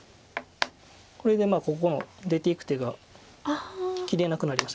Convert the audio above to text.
これでここの出ていく手が切れなくなりました。